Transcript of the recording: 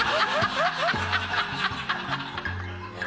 ハハハ